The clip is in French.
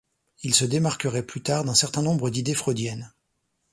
Il se démarquerait plus tard d'un certain nombre d'idées freudiennes.